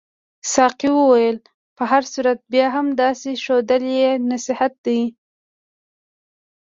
ساقي وویل په هر صورت بیا هم داسې ښودل یې نصیحت دی.